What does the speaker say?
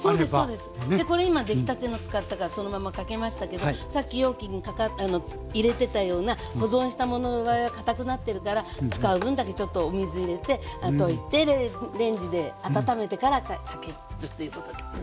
これ今出来たての使ったからそのままかけましたけどさっき容器に入れてたような保存したものの場合は堅くなってるから使う分だけちょっとお水入れてレンジで温めてからかけるということですよね。